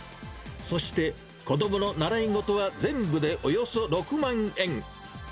そして子どもの習い事は全部でおよそ６万円。